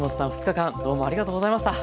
２日間どうもありがとうございました。